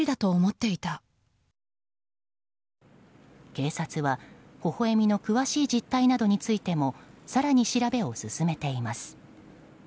警察は、ほほえみの詳しい実態などについても更に調べを進めています。